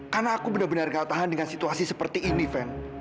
karena gue benar benar gak tahan dengan situasi seperti ini pen